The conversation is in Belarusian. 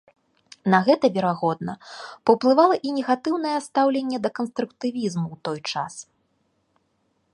На гэта, верагодна, паўплывала і негатыўнае стаўленне да канструктывізму ў той час.